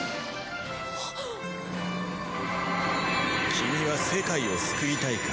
君は世界を救いたいか？